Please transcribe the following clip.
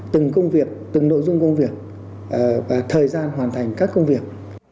từng công việc từng nội dung công việc và thời gian hoàn thành các công việc